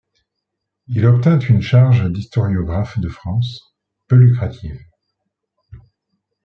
Il obtint une charge d'historiographe de France, peu lucrative.